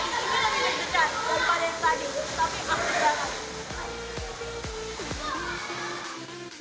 ini lebih deg degan daripada yang tadi tapi aku suka banget